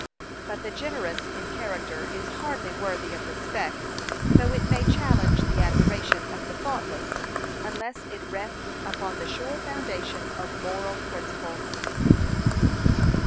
But the generous in character is hardly worthy of respect, though it may challenge the admiration of the thoughtless, unless it rests upon the sure foundation of moral principle.